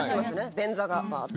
便座が。